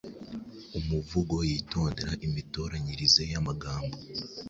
umuvugo yitondera imitoranyirize y’amagambo